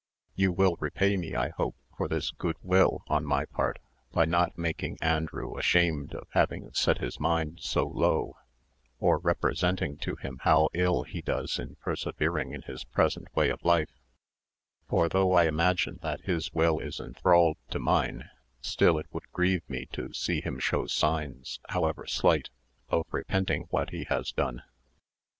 You will repay me, I hope, for this good will on my part, by not making Andrew ashamed of having set his mind so low, or representing to him how ill he does in persevering in his present way of life; for though I imagine that his will is enthralled to mine, still it would grieve me to see him show signs, however slight, of repenting what he has done."